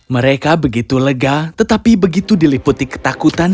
mereka begitu lega tetapi begitu diliputi ketakutan